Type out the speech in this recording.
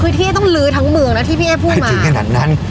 คือที่จะต้องลื้อทั้งเมืองนะที่พี่เอ๊พูดมาถึงขนาดนั้น